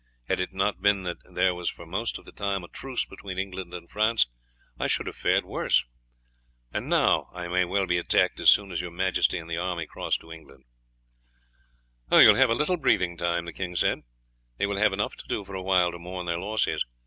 Had it not been that there was for most of the time a truce between England and France I should have fared worse. And now I may well be attacked as soon as your majesty and the army cross to England." "You will have a little breathing time," the king said; "they will have enough to do for a while to mourn their losses.